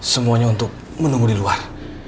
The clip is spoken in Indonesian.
semuanya untuk menunggu di luar